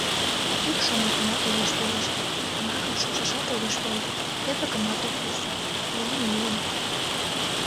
Ик шомакымат огеш пелеште, тамакым шупшашат огеш воло, Япыкымат ок вурсо, — ала-мо лийын.